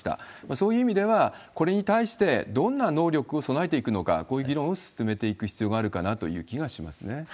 そういう意味では、これに対してどんな能力を備えていくのか、こういう議論を進めていく必要があるかなという気がしますね。